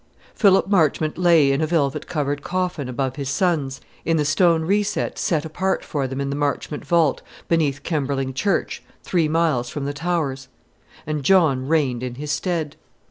Philip Marchmont lay in a velvet covered coffin, above his son's, in the stone recess set apart for them in the Marchmont vault beneath Kemberling Church, three miles from the Towers; and John reigned in his stead.